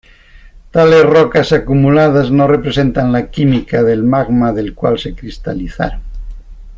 Tales rocas acumuladas no representan la química del magma del cual se cristalizaron.